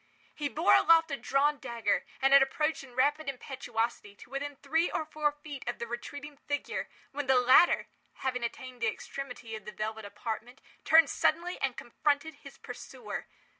He bore aloft a drawn dagger, and had approached, in rapid impetuosity, to within three or four feet of the retreating figure, when the latter, having attained the extremity of the velvet apartment, turned suddenly and confronted his pursuer.